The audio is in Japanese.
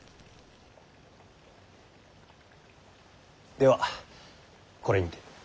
ではこれにて。